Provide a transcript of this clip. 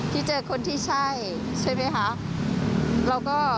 ที่เจอคนที่ใช่ใช่ไหมคะ